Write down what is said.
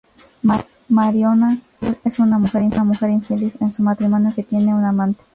Mariona Rebull es una mujer infeliz en su matrimonio que tiene un amante.